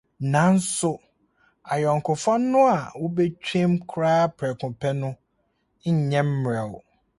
Nanso, ayɔnkofa no a wubetwam koraa prɛko pɛ no nyɛ mmerɛw.